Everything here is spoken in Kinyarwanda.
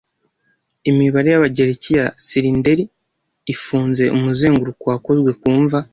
Imibare y'Abagereki ya silinderi ifunze umuzenguruko wakozwe ku mva